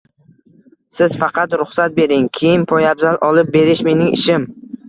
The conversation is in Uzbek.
Siz faqat ruxsat bering. Kiyim, poyabzal olib berish – mening ishim!